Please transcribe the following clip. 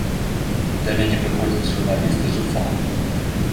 Да мяне прыходзяць журналісты з журфаку.